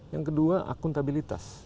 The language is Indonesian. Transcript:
yang kedua akuntabilitas